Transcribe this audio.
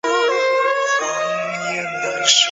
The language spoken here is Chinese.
曲率为零的空间称为平坦空间或欧几里得空间。